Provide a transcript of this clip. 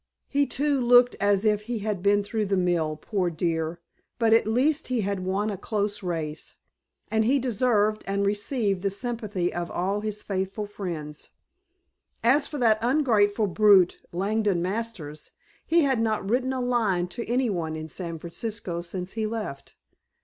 He, too, looked as if he had been through the mill, poor dear, but at least he had won a close race, and he deserved and received the sympathy of his faithful friends. As for that ungrateful brute, Langdon Masters, he had not written a line to any one in San Francisco since he left.